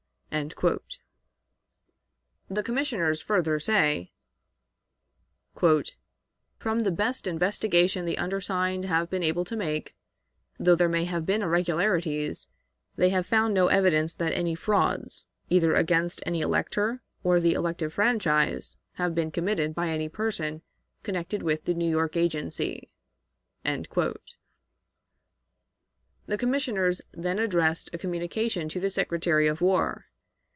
The commissioners further say: "From the best investigation the undersigned have been able to make, though there may have been irregularities, they have found no evidence that any frauds, either against any elector or the elective franchise, have been committed by any person connected with the New York agency." The commissioners then addressed a communication to the Secretary of War.